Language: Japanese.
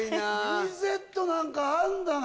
ミゼットなんかあるんだね。